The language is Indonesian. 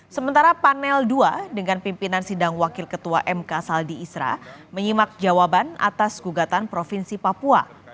sementara panel ii dengan pimpinan sidang wakil ketua mk saldi isra menyimak jawaban atas gugatan provinsi papua